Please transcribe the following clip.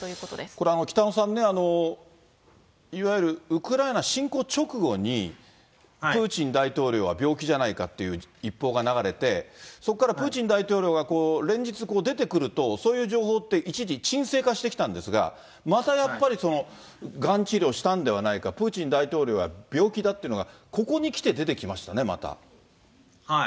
これ、北野さんね、いわゆるウクライナ侵攻直後に、プーチン大統領は病気じゃないかっていう一報が流れて、そこからプーチン大統領が連日、出てくると、そういう情報って一時、沈静化してきたんですが、またやっぱりその、がん治療したんではないか、プーチン大統領は病気だっていうのがここにきて出てきましたね、また。